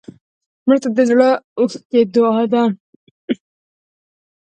مړه ته د زړه اوښکې دعا ده